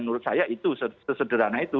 menurut saya itu sesederhana itu